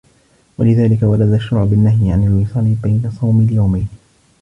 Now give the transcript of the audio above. وَلِذَلِكَ وَرَدَ الشَّرْعُ بِالنَّهْيِ عَنْ الْوِصَالِ بَيْنَ صَوْمِ الْيَوْمَيْنِ